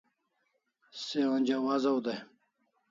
Se onja wazaw dai